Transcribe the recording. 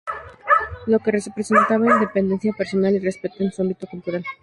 Lo que representaba independencia personal y respeto en su ámbito cultural.